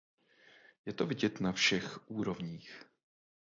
Je to vidět na všech úrovních.